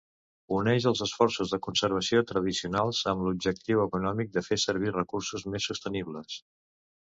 Uneix els esforços de conservació tradicionals amb l'objectiu econòmic de fer servir recursos més sostenibles.